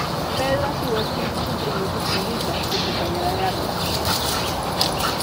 Pedro a su vez tiene un compromiso con Luisa, su compañera de armas.